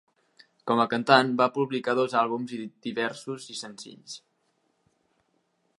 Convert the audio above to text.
Com a cantant va publicar dos àlbums i diversos senzills.